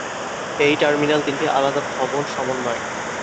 এই টার্মিনাল তিনটি আলাদা ভবন সমন্বয়ে।